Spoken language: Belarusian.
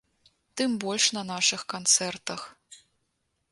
Тым больш на нашых канцэртах.